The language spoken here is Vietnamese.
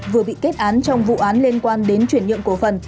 vừa bị kết án trong vụ án liên quan đến chuyển nhượng cổ phần